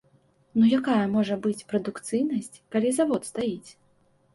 Ну якая можа быць прадукцыйнасць, калі завод стаіць?